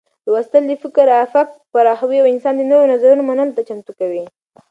لوستل د فکر افق پراخوي او انسان د نوو نظرونو منلو ته چمتو کوي.